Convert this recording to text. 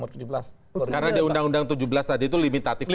karena di undang undang tujuh belas tadi itu limitatif lagi